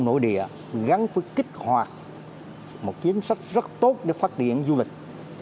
nội địa gắn với kích hoạt một chính sách rất tốt để phát điện du lịch